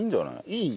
いい？